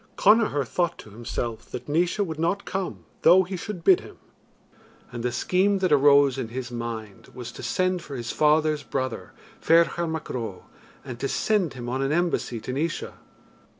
Connachar thought to himself that Naois would not come though he should bid him; and the scheme that arose in his mind was to send for his father's brother, Ferchar Mac Ro, and to send him on an embassy to Naois.